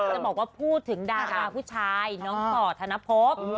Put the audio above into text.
จะบอกว่าพูดถึงดาราผู้ชายน้องต่อธนภพ